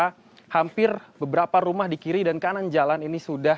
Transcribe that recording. karena hampir beberapa rumah di kiri dan kanan jalan ini sudah